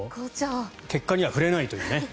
結果には触れないというね。